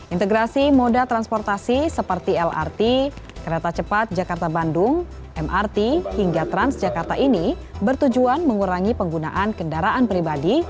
integrasi moda transportasi seperti lrt kereta cepat jakarta bandung mrt hingga transjakarta ini bertujuan mengurangi penggunaan kendaraan pribadi